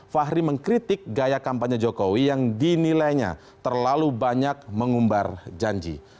fahri mengkritik gaya kampanye jokowi yang dinilainya terlalu banyak mengumbar janji